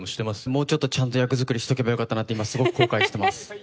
もうちょっとちゃんと役作りしとけばよかったなってすごく後悔してます。